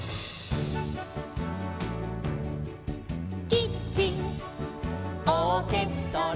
「キッチンオーケストラ」